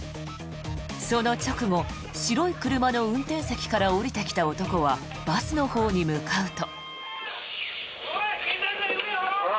その直後、白い車の運転席から降りてきた男はバスのほうに向かうと。